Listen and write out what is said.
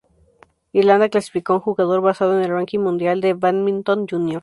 Irlanda clasificó a un jugador basado en el ranking mundial de bádminton junior.